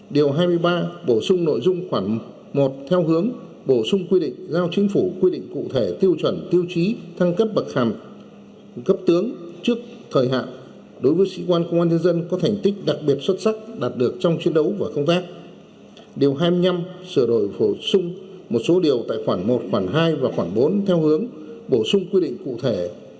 điều hai mươi năm sửa đổi bổ sung một số điều tại khoản một khoản hai và khoản bốn theo hướng bổ sung quy định cụ thể